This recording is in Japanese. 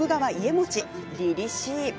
りりしい！